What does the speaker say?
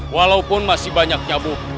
walaupun masih banyak nyabuk